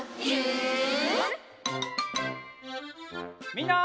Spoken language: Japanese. みんな。